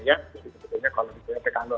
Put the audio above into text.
ya jadi sebetulnya kalau di tkno